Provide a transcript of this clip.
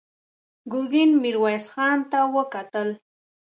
ګرګين ميرويس خان ته وکتل.